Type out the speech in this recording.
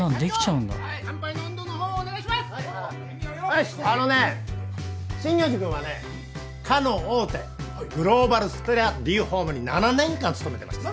よしあのね真行寺君はねかの大手グローバルステラＤホームに７年間勤めてました。